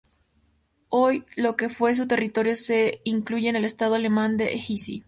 Hoy, lo que fue su territorio se incluye en el Estado alemán de Hesse.